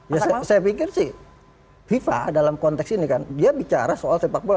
ya saya pikir sih fifa dalam konteks ini kan dia bicara soal sepak bola